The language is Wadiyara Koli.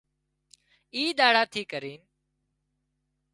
اي ۮاڙا ٿِي ڪرينَ